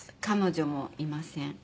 彼女もいません。